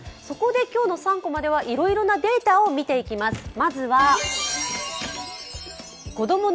そこで今日の３コマではいろいろなデータを見ていきます。